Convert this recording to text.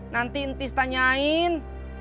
nanti entis tanyain